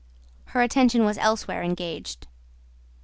Her attention was elsewhere engaged.